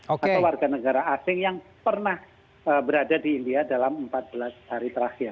atau warga negara asing yang pernah berada di india dalam empat belas hari terakhir